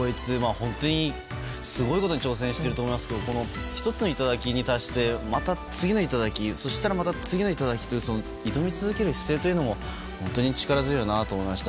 本当すごいことに挑戦していると思いますけど１つの頂に達して、また次の頂そしたらまた次の頂と挑み続ける姿勢というのも力強いなと思いました。